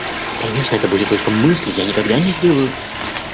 Конечно, это были только мысли, и я никогда не сделаю.